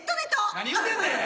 何言うてんねん！